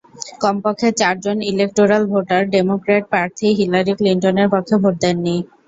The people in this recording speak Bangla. কমপক্ষে চারজন ইলেকটোরাল ভোটার ডেমোক্র্যাট প্রার্থী হিলারি ক্লিনটনের পক্ষে ভোট দেননি।